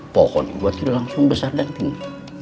pohon buat itu langsung besar dan tinggi